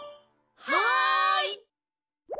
はい！